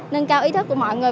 nâng cao ý thức của mọi người